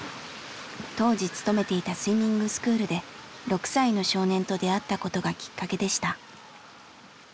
当時勤めていたスイミングスクールで６歳の少年と出会ったことがきっかけでした。